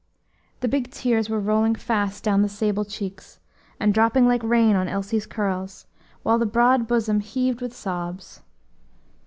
The big tears were rolling fast down the sable cheeks, and dropping like rain on Elsie's curls, while the broad bosom heaved with sobs.